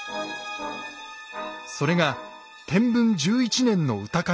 それが天文１１年の歌会です。